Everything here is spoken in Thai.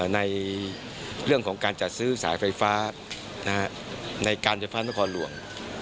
ในเรื่องของการจัดซื้อสายไฟฟ้าในการไฟฟ้านครหลวง